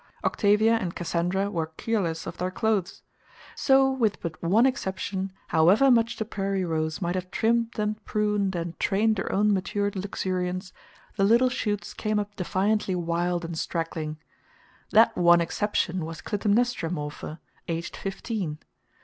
Octavia and Cassandra were "keerless" of their clothes. So with but one exception, however much the "Prairie Rose" might have trimmed and pruned and trained her own matured luxuriance, the little shoots came up defiantly wild and straggling. That one exception was Clytemnestra Morpher, aged fifteen.